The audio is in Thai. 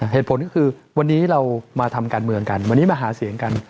เหตุผลก็คือวันนี้เรามาทำการเมืองกันวันนี้มาหาเสียงกัน